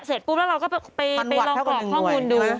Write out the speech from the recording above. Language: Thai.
เสร็จปุ๊บแล้วเราก็ไปลองกรอกข้อมูลดู